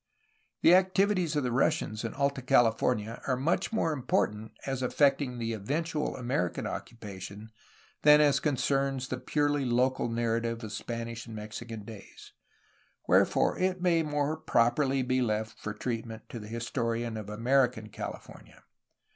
The activities of the Russians in Alta California are much more important as affecting the eventual American occu pation than as concerns the purely local narrative of Spanish and Mexican days, wherefore it may more properly be left for treatment to the historian of American CaHfomia.